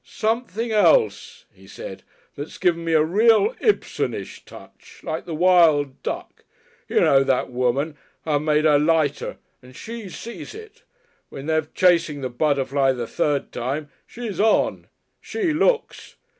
"Something else," he said. "That's given me a Real Ibsenish Touch like the Wild Duck. You know that woman I've made her lighter and she sees it. When they're chasing the butterfly the third time, she's on! She looks.